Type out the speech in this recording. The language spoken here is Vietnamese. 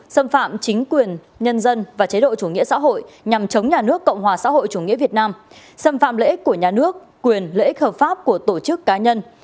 xâm phạm chính quyền nhân dân và chế độ chủ nghĩa xã hội nhằm chống nhà nước cộng hòa xã hội chủ nghĩa việt nam xâm phạm lợi ích của nhà nước quyền lợi ích hợp pháp của tổ chức cá nhân